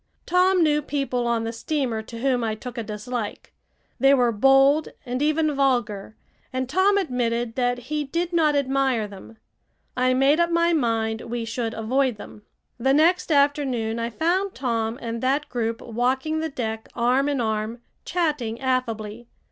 Tom knew people on the steamer to whom I took a dislike. They were bold and even vulgar, and Tom admitted that he did not admire them. I made up my mind we should avoid them. The next afternoon I found Tom and that group walking the deck arm in arm, chatting affably.